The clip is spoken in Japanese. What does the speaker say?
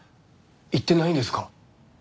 言ってないんですか？